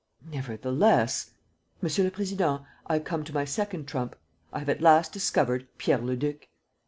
"Nevertheless ..." "Monsieur le Président, I come to my second trump. I have at last discovered Pierre Leduc."